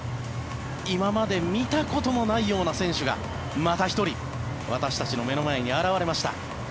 今まで見たこともないような選手がまた１人私たちの目の前に現れました。